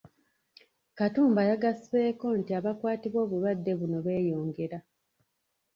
Katumba yagasseeko nti abakwatibwa obulwadde buno beeyongera.